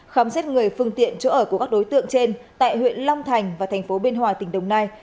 khám xét người phương tiện chỗ ở của các đối tượng trên tại huyện long thành và tp bên hòa tỉnh đồng nai